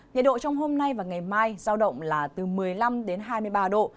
nhiệt độ trong hôm nay và ngày mai giao động là từ một mươi năm đến hai mươi ba độ